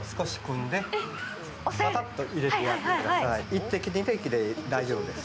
１滴、２滴で大丈夫です。